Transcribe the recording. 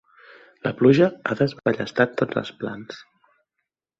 La pluja ha desballestat tots els plans.